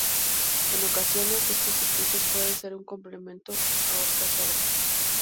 En ocasiones, estos escritos pueden ser un complemento a otras obras.